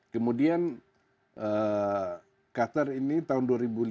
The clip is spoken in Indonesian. kemudian qatar ini tahun dua ribu lima belas